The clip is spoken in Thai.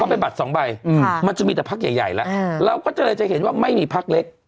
ไปบัตรสองใบมันจะมีแต่พักใหญ่ใหญ่แล้วเราก็จะเลยจะเห็นว่าไม่มีพักเล็ก